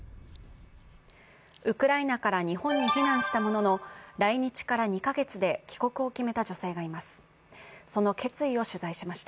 ウクライナから日本に避難したものの、来日から２カ月で帰国を決めた女性がいます。